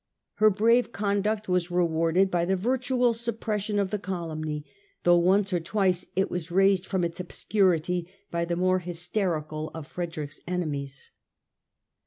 Her brave conduct was rewarded by the virtual suppression of the calumny, though once or twice it was raised from its obscurity by the more hysterical of Frederick's enemies.